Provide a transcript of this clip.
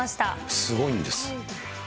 すごいんです。